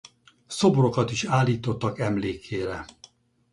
Szobrokat is állítottak emlékére.